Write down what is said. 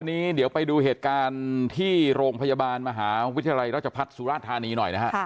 วันนี้เดี๋ยวไปดูเหตุการณ์ที่โรงพยาบาลมหาวิทยาลัยราชพัฒน์สุราธานีหน่อยนะฮะ